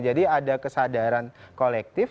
jadi ada kesadaran kolektif